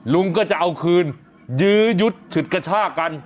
ลุงก็จะเอาคืนยื้อยุดฉุดกระชากัน